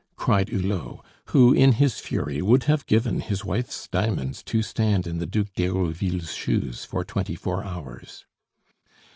cried Hulot, who in his fury would have given his wife's diamonds to stand in the Duc d'Herouville's shoes for twenty four hours.